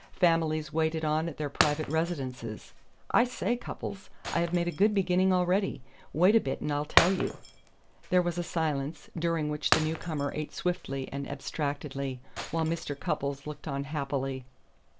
Families waited on at their private residences. I say, Cupples, I have made a good beginning already. Wait a bit, and I'll tell you." There was a silence, during which the newcomer ate swiftly and abstractedly, while Mr. Cupples looked on happily.